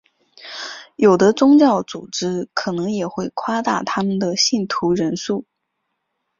有的宗教组织可能也会夸大他们的信徒人数。